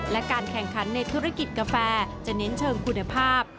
และการแข่งขันในธุรกิจกาแฟจะเน้นเชิงคุณภาพ